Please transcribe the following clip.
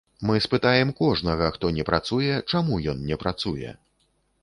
Мы спытаем кожнага, хто не працуе, чаму ён не працуе.